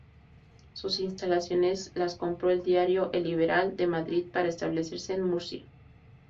Sus instalaciones las compró el diario "El Liberal" de Madrid, para establecerse en Murcia.